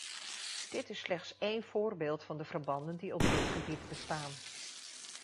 Dit is slechts één voorbeeld van de verbanden die op dit gebied bestaan.